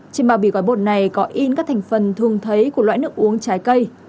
trên bào bì gói bột này có in các thành phần thường thấy của loại nước uống trái cây